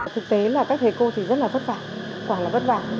thực tế là các thầy cô thì rất là vất vả quả là vất vả